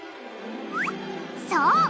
そう！